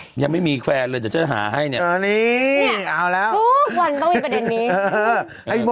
อุ๊ยยังไม่มีแคลร์เลยจ๋าจะหาให้เนี้ยอันนี้เนี้ยเอาแล้วฮู้ว